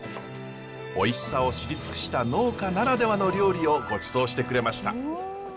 おいしさを知り尽くした農家ならではの料理をごちそうしてくれました。